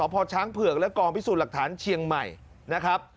พอช้างเผือกและกองพิสูจน์หลักฐานเชียงใหม่นะครับ